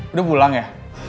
udah pulang ya